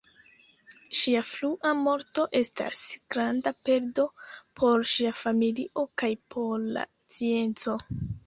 Ŝia frua morto estas granda perdo por ŝia familio kaj por la scienco.